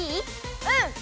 うん！